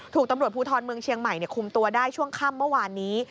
ถูกตำรวจภูทรเมืองเชียงใหม่คุมตัวได้ช่วงค่ำเมื่อวานนี้